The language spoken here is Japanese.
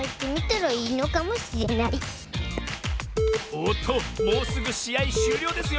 おっともうすぐしあいしゅうりょうですよ。